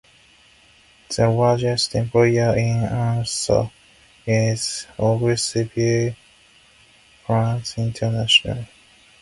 The largest employer in Altha is Oglesby Plants International.